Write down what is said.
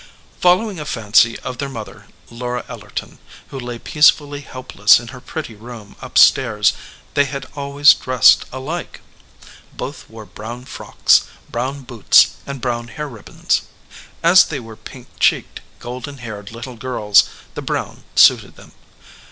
Following a fancy of their mother, Laura Ellerton, who lay peacefully helpless in her pretty room up stairs, they had always dressed alike. Both wore brown frocks, brown 31 EDGEWATER PEOPLE boots, and brown hair ribbons. As they were pink cheeked, golden haired little girls, the brown suited them.